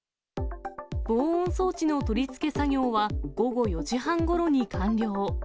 防音装置の取り付け作業は午後４時半ごろに完了。